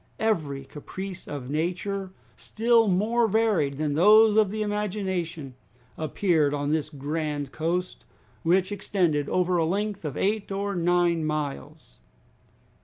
Every caprice of nature, still more varied than those of the imagination, appeared on this grand coast, which extended over a length of eight or nine miles.